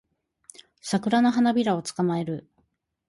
サクラの花びらを捕まえる